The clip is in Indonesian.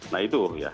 nah itu ya